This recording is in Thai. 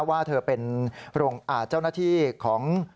ว่าเธอเป็นเจ้าหน้าที่ของ